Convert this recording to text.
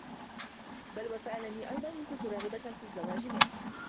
بل و سألني أيضا إن كنت راغبة في الزّواج منه.